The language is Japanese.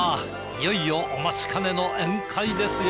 いよいよお待ちかねの宴会ですよ。